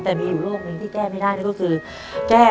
แต่มีอยู่โลกหนึ่งที่แก้ไม่ได้ก็คือ